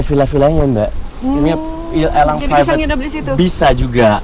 ada villa villanya mbak ini elang private bisa juga